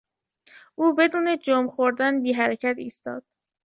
او بدون جنب خوردن بیحرکت ایستاد.